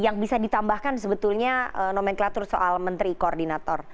yang bisa ditambahkan sebetulnya nomenklatur soal menteri koordinator